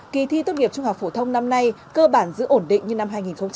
kỳ thi tốt nghiệp trung học phổ thông năm nay cơ bản giữ ổn định như năm hai nghìn hai mươi